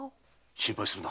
心配するな。